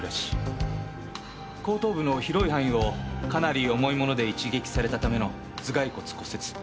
後頭部の広い範囲をかなり重い物で一撃されたための頭蓋骨骨折。